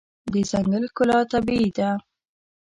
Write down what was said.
د ځنګل ښکلا طبیعي ده.